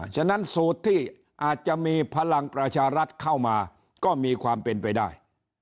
ฉะนั้นสูตรที่อาจจะมีพลังประชารัฐเข้ามาก็มีความเป็นไปได้